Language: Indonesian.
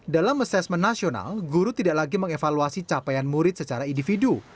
dalam asesmen nasional guru tidak lagi mengevaluasi capaian murid secara individu